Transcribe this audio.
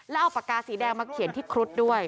แล้วเอาปากกาสีแดงมาเขียนที่ครุฑด้วย